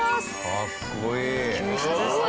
かっこいい。